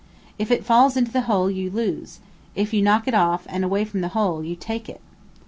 If it falls into the hole, you lose; if you knock it off, and away from the hole, you take it.